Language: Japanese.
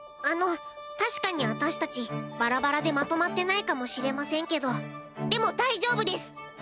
あの確かに私たちバラバラでまとまってないかもしれませんけどでも大丈夫です。